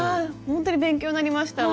ほんとに勉強になりました。